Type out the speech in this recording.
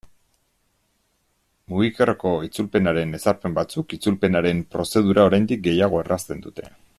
Mugikorreko itzulpenaren ezarpen batzuk itzulpenaren prozedura oraindik gehiago errazten dute.